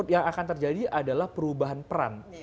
yang akan terjadi adalah perubahan peran